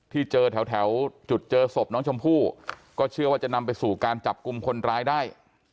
ที่เจอแถวจุดเจอศพน้องชมพู่ก็เชื่อว่าจะนำไปสู่การจับกลุ่มคนร้ายได้